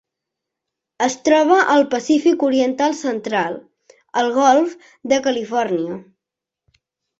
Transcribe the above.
Es troba al Pacífic oriental central: el golf de Califòrnia.